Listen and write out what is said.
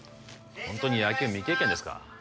ホントに野球未経験ですか？